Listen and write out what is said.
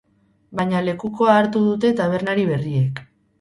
Baina lekukoa hartu dute tabernari berriek.